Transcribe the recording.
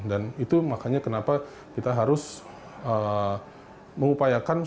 dan itu makanya kenapa kita harus mengupayakan